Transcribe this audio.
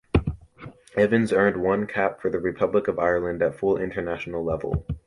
Evans earned one cap for the Republic of Ireland at full international level.